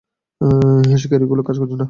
হিসকেড়িগুলো কাজ করছে না।